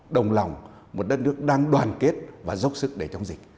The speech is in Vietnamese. đồng lòng một đất nước đang đoàn kết và dốc sức để chống dịch